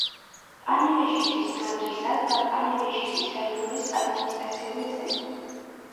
პანევეჟისის მაზრისა და პანევეჟისის რაიონის ადმინისტრაციული ცენტრი.